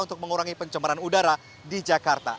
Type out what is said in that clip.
untuk mengurangi pencemaran udara di jakarta